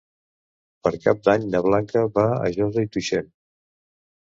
Per Cap d'Any na Blanca va a Josa i Tuixén.